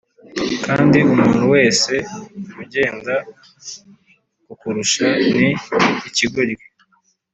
kandi umuntu wese ugenda kukurusha ni ikigoryi